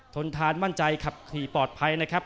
ทนทานมั่นใจขับขี่ปลอดภัยนะครับ